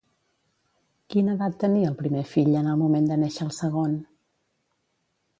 Quina edat tenia el primer fill en el moment de néixer el segon?